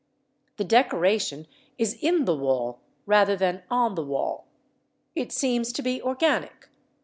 The decoration is in the wall rather than on the wall. It seems to be organic.